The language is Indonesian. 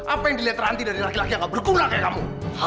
apa yang dilihat ranti dari laki laki yang gak berkurang kayak kamu